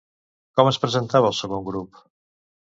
Com es presentava el segon grup?